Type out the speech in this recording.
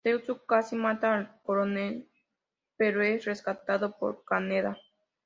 Tetsuo casi mata al coronel pero es rescatado por Kaneda.